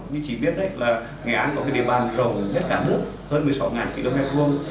như chị biết nghệ an là một địa bàn rộng nhất cả nước hơn một mươi sáu km hai